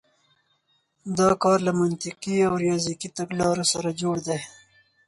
دا کار له منطقي او ریاضیکي تګلارو سره جوړ دی.